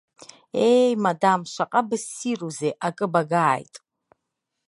Ееи, мадам, шаҟа бссирузеи акы багааит.